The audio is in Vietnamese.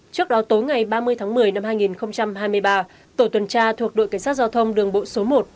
trước đó tối ngày ba mươi tháng một mươi năm hai nghìn hai mươi ba tổ tuần tra thuộc đội cảnh sát giao thông đường bộ số một